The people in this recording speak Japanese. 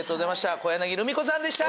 小柳ルミ子さんでした！